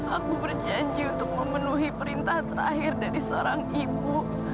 aku berjanji untuk memenuhi perintah terakhir dari seorang ibu